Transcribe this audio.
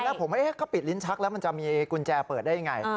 แล้วผมก็ปิดลิ้นชักแล้วมันจะมีกุญแจเปิดได้ยังไง